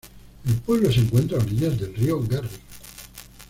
El pueblo se encuentra a orillas del río Garry.